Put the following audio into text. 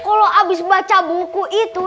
kalo abis baca buku itu